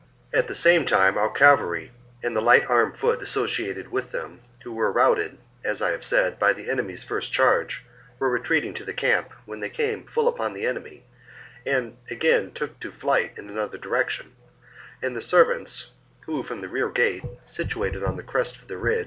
24. At the same time our cavalry and the light armed foot associated with them, who were routed, as I have said, by the enemy's first charge, were retreating to the camp, when they came full upon the enemy and again took to flight in another direction ; and the servants,^ who from the rear gate, situated on the crest of the ridge, had ^ Or, possibly, " isolated."